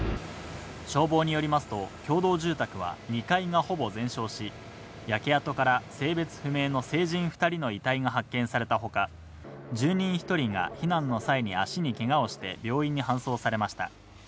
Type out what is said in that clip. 消防によりますと、共同住宅は２階がほぼ全焼し、焼け跡から性別不明の成人２人の遺体が発見されたほか、住人１人が避難の際に足にけがをして病院に搬送されました。